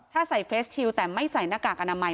ถ้าใส่เฟสชิลแต่ไม่ใส่หน้ากากอนามัย